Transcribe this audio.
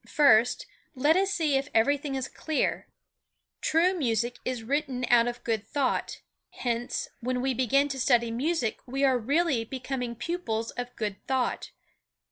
First, let us see if everything is clear. True music is written out of good thought; hence, when we begin to study music we are really becoming pupils of good thought.